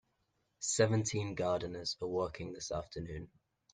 Seventeen gardeners are working this afternoon.